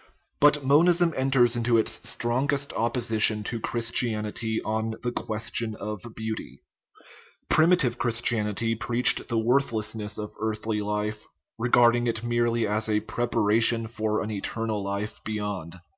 xix.). III. But monism enters into its strongest opposi tion to Christianity on the question of beauty. Primi 338 OUR MONISTIC RELIGION live Christianity preached the worthlessness of earthly life, regarding it merely as a preparation for an eter nal life beyond.